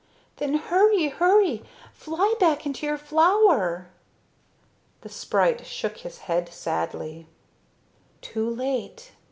"Then hurry, hurry! Fly back into your flower!" The, sprite shook his head sadly. "Too late.